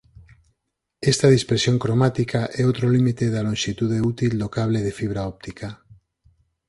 Esta dispersión cromática é outro límite da lonxitude útil do cable de fibra óptica.